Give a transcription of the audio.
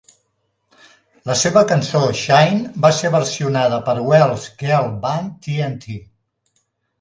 La seva cançó "Shine" va ser versionada per Welsh Girl Band TnT.